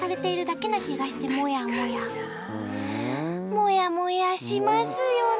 もやもやしますよね。